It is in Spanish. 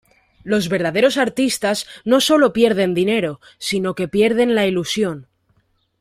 Los verdaderos artistas, no solo pierden dinero, sinó que pierden la ilusión.